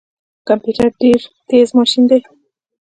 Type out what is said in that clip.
کمپيوټر ډیر تیز ماشین دی